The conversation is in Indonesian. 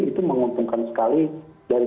itu menguntungkan sekali dari